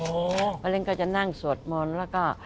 เพราะเล่นก็จะนั่งสวดมนต์แล้วก็